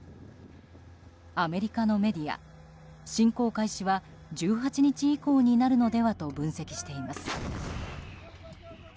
アメリカのメディア侵攻開始は１８日以降になるのではと分析しています。